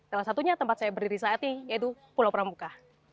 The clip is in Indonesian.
salah satunya tempat saya berdiri saat ini yaitu pulau pramuka